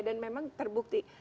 dan memang terbukti